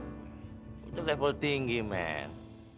udah level tinggi men